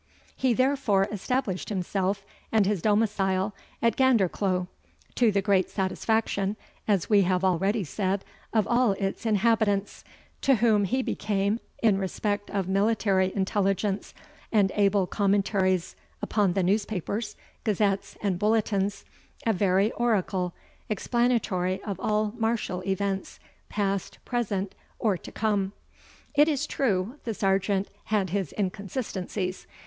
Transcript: He therefore established himself and his domicile at Gandercleugh, to the great satisfaction, as we have already said, of all its inhabitants, to whom he became, in respect of military intelligence, and able commentaries upon the newspapers, gazettes, and bulletins, a very oracle, explanatory of all martial events, past, present, or to come. It is true, the Sergeant had his inconsistencies.